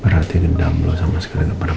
berarti dendam lo sama sekali gak pernah